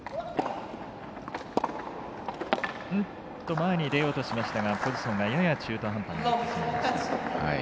前に出ようとしましたがポジションがやや中途半端になりました。